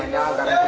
yang terbanyak itu